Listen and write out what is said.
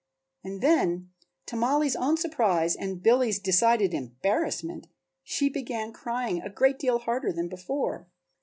And then, to Mollie's own surprise and Billy's decided embarrassment, she began crying a great deal harder than before.